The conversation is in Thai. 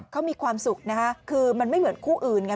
เขามีความสุขนะคะคือมันไม่เหมือนคู่อื่นไง